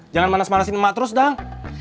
jangan manas manasin emak terus dong